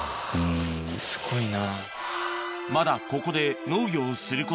すごいな。